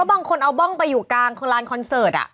บางคนเอาบ้องไปอยู่กลางลานคอนเสิร์ต